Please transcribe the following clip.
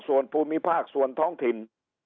ส่วนภูมิภาคส่วนท้องถิ่น